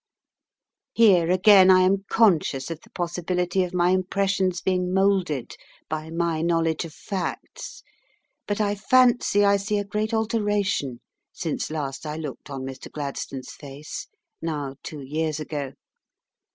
Here again I am conscious of the possibility of my impressions being moulded by my knowledge of facts; but I fancy I see a great alteration since last I looked on Mr. Gladstone's face, now two years ago.